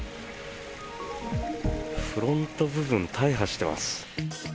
フロント部分大破しています。